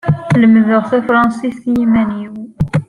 Lemdeɣ tafṛensist i yiman-inu.